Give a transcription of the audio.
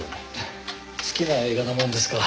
好きな映画なものですから。